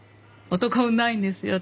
男運ないんですよ